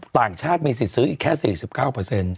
ต่างชาติมีสิทธิ์ซื้ออีกแค่๔๙